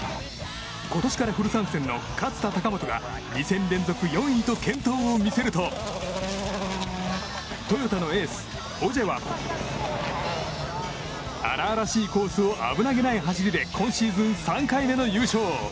今年からフル参戦の勝田貴元が２戦連続４位と健闘を見せるとトヨタのエース、オジェは荒々しいコースを危なげない走りで今シーズン３回目の優勝。